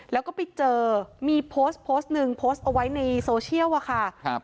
แล้วก็ไปเจอมีโพสต์โพสต์หนึ่งโพสต์เอาไว้ในโซเชียลอะค่ะ